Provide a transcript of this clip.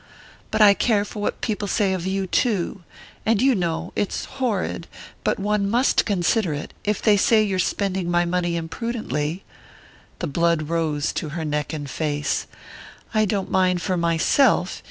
"But I care for what people say of you too! And you know it's horrid, but one must consider it if they say you're spending my money imprudently...." The blood rose to her neck and face. "I don't mind for myself...